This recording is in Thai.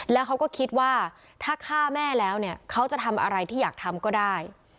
แล้วเขาก็คิดว่าถ้าฆ่าแม่แล้วเนี่ยเขาจะทำอะไรที่อยากทำก็ได้